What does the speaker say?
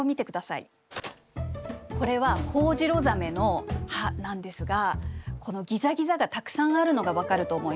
これはホホジロザメの歯なんですがこのギザギザがたくさんあるのが分かると思います。